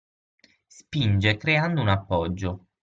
Spinge creando un "appoggio".